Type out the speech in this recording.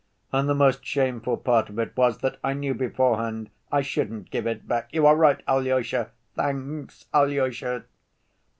And the most shameful part of it was that I knew beforehand I shouldn't give it back! You are right, Alyosha! Thanks, Alyosha!"